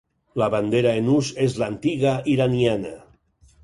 La bandera en ús és l'antiga iraniana.